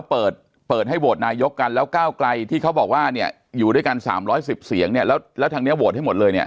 ผมไม่ทราบประกันแต่มีสวอยังน้อยที่สุดผมคือหนึ่ง